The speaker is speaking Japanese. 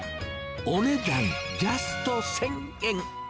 お値段、ジャスト１０００円。